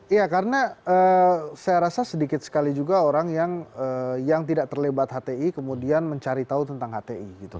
iya karena saya rasa sedikit sekali juga orang yang tidak terlibat hti kemudian mencari tahu tentang hti gitu